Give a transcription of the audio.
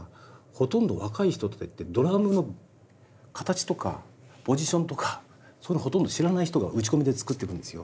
ほとんど若い人ってドラムの形とかポジションとかそういうのほとんど知らない人が打ち込みで作っていくんですよ。